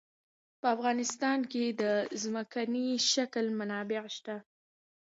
په افغانستان کې د ځمکنی شکل منابع شته.